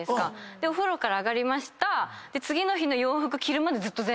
でお風呂から上がりました。